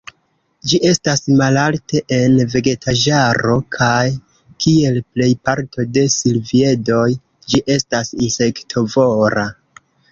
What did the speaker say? Ĝi estas malalte en vegetaĵaro, kaj, kiel plej parto de silviedoj, ĝi estas insektovora.